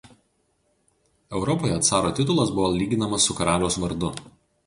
Europoje caro titulas buvo lyginamas su karaliaus vardu.